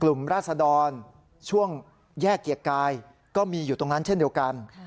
ราศดรช่วงแยกเกียรติกายก็มีอยู่ตรงนั้นเช่นเดียวกัน